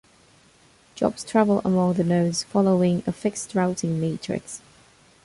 Jobs travel among the nodes following a fixed routing matrix.